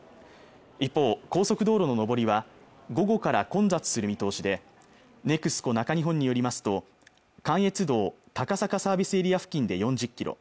一方、高速道路の上りは午後から混雑する見通しでＮＥＸＣＯ中日本によりますと関越道・高坂サービスエリア付近で４０キロ